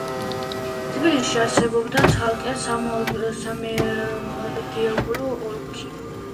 თბილისში არსებობდა ცალკე სამომრიგებლო ოლქი.